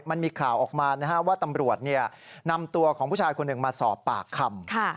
มันมีข่าวออกมาว่าตำรวจนำตัวของผู้ชายคนหนึ่งมาสอบปากคำ